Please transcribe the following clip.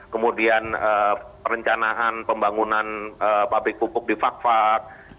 kemudian perencanaan pembangunan pabrik pupuk di fakfak